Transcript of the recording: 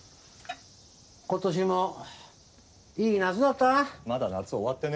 今年もいい夏だったな。